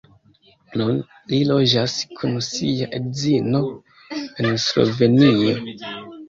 Nun li loĝas kun sia edzino en Slovenio.